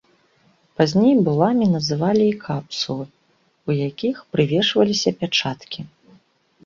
Пазней буламі называлі і капсулы, у якіх прывешваліся пячаткі.